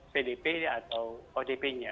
pdp atau odp nya